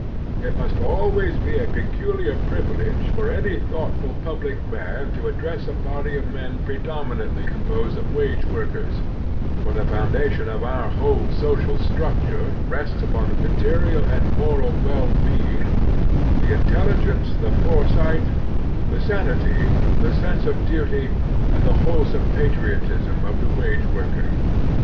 It must be always a peculiar privilege for any thoughtful public man to address a body of men predominantly composed of wage workers, for the foundation of our whole social structure rests upon the material and moral well being, the intelligence, the foresight, the sanity, the sense of duty, and the wholesome patriotism of the wage worker.